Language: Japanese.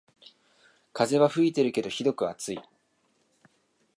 風は吹いてるけどひどく暑い